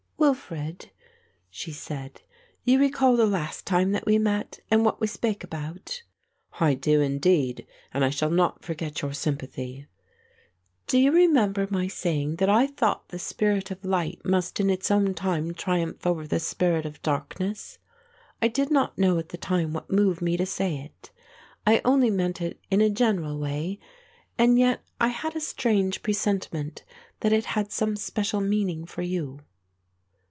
"Wilfred," she said, "you recall the last time that we met and what we spake about?" "I do, indeed, and I shall not forget your sympathy." "Do you remember my saying that I thought the spirit of light must in its own time triumph over the spirit of darkness? I did not know at the time what moved me to say it. I only meant it in a general way, and yet I had a strange presentiment that it had some special meaning for you."